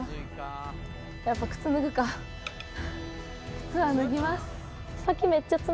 靴は脱ぎます